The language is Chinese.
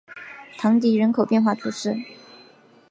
唐迪人口变化图示